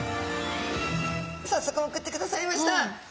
さっそく送ってくださいました。